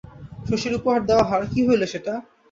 শশীর উপহার দেওয়া হার, কী হইল সেটা?